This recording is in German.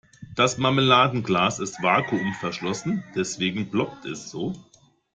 Das Marmeladenglas ist vakuumverschlossen, deswegen ploppt es so.